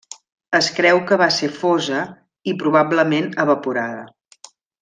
Es creu que va ser fosa i probablement, evaporada.